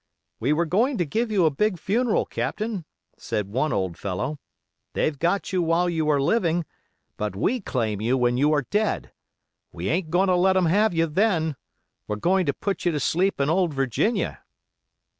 'We were going to give you a big funeral, Captain,' said one old fellow; 'they've got you while you are living, but we claim you when you are dead. We ain't going to let 'em have you then. We're going to put you to sleep in old Virginia.